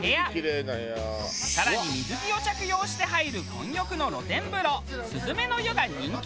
更に水着を着用して入る混浴の露天風呂すずめの湯が人気。